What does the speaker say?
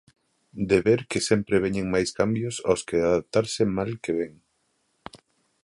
De ver que sempre veñen máis cambios aos que adaptarse mal que ben.